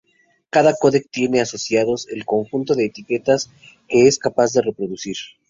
Cada codec tiene asociados el conjunto de etiquetas que es capaz de reproducir.